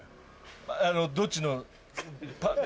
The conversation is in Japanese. どっちの？